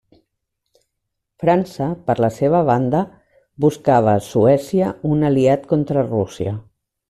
França, per la seva banda, buscava a Suècia un aliat contra Rússia.